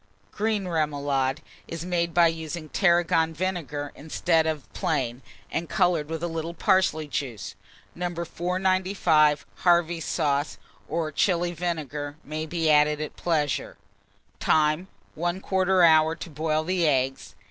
GREEN REMOULADE is made by using tarragon vinegar instead of plain, and colouring with a little parsley juice, No. 495. Harvey's sauce, or Chili vinegar, may be added at pleasure. Time. 1/4 hour to boil the eggs.